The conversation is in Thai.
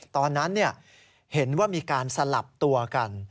ตอนนั้นเห็นว่ามีการสลับตัวกัน